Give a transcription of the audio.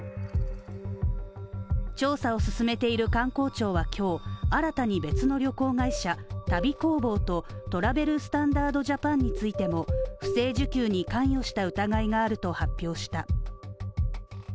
調査を進めている観光庁は今日新たに別の旅行会社、旅工房と、トラベル・スタンダード・ジャパンについても不正受給に関与した疑いがあると発表した。